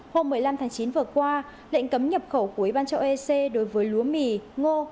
hôm một mươi năm tháng chín vừa qua lệnh cấm nhập khẩu của ủy ban châu âu ec đối với lúa mì ngô